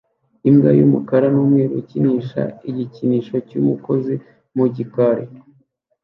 imbwa y'umukara n'umweru yera ikinisha igikinisho cy'umugozi mu gikari